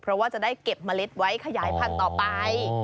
เพราะว่าจะได้เก็บเมล็ดไว้ขยายพันธุ์ต่อไป